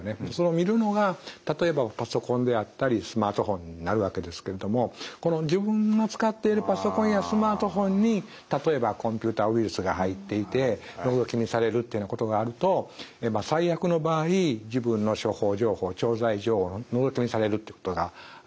見るのが例えばパソコンであったりスマートフォンになるわけですけれどもこの自分の使っているパソコンやスマートフォンに例えばコンピューターウイルスが入っていてのぞき見されるっていうことがあると最悪の場合自分の処方情報調剤情報をのぞき見されるということがありえます。